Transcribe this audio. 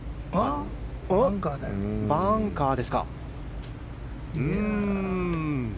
バンカーですか。